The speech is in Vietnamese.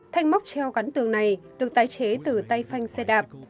thanh móc treo gắn tường này được tái chế từ tay phanh xe đạp